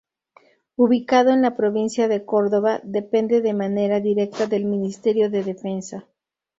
Ubicado en la Provincia de Córdoba, depende de manera directa del Ministerio de Defensa.